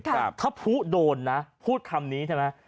ถ้าผู้โดนนะพูดคำนี้ใช่ไหม